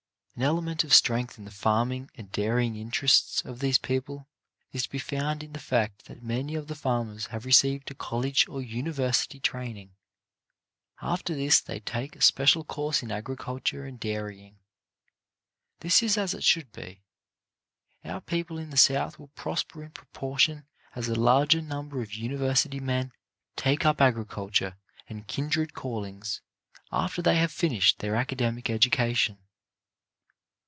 An element of strength in the fanning and dairy. EUROPEAN IMPRESSIONS 75 ing interests of these people is to be found in the fact that many of the farmers have received a college or university training. After this they take a special course in agriculture and dairying. This is as it should be. Our people in the South will prosper in proportion as a larger number of university men take up agriculture and kindred callings after they have finished their academic education.